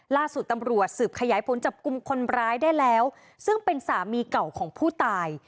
ล่าสุดตำรวจสืบขยายผลจับกลุ่มคนร้ายได้แล้วซึ่งเป็นสามีเก่าของผู้ตาย